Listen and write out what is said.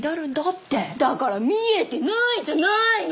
だから見えてないじゃないの！